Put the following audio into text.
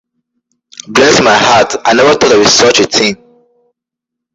Bless my heart, I never thought of such a thing!